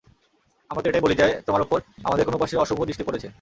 আমরা তো এটাই বলি যে, তোমার উপর আমাদের কোন উপাস্যের অশুভ দৃষ্টি পড়েছে।